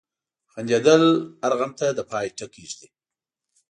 • خندېدل هر غم ته د پای ټکی ږدي.